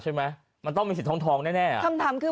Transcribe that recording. ใช่ไหมมันต้องมีสิทธิทองทองแน่แน่คำถามคือ